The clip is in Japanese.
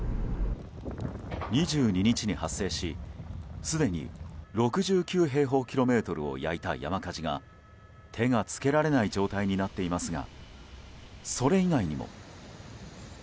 ２２日に発生しすでに６９平方キロメートルを焼いた山火事が手が付けられない状態になっていますがそれ以外にも。